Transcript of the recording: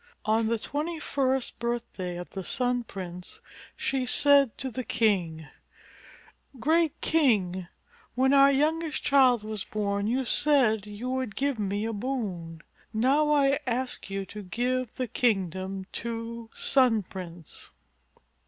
On the twenty first birthday of the Sun Prince she said to the king, "Great King, when our youngest child was born you said you would give me a boon. Now I ask you to give the kingdom to Sun Prince."